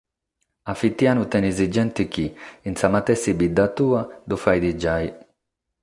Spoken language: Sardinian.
A fitianu tenes gente chi, in sa matessi bidda tua, lu faghet giai.